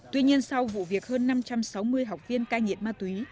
tuy nhiên sau vụ việc hơn năm trăm sáu mươi học viên cai nghiện ma túy